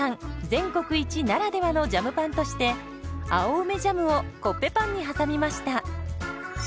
全国一ならではのジャムパンとして青梅ジャムをコッペパンに挟みました。